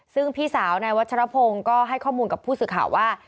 ซึ่งพี่สาวนายวัชรพงศ์ก็ให้ข้อมูลกับผู้สื่อข่าวว่า